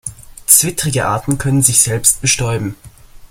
Zwittrige Arten können sich selbst bestäuben.